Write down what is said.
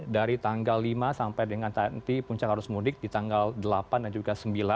dari tanggal lima sampai dengan tni puncak harus mudik di tanggal delapan dan juga sembilan